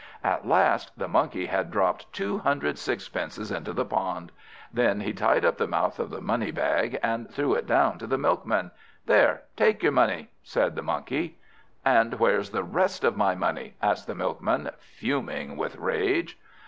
At last the Monkey had dropt two hundred sixpences into the pond. Then he tied up the mouth of the money bag, and threw it down to the Milkman. "There, take your money," said the Monkey. "And where's the rest of my money?" asked the Milkman, fuming with rage.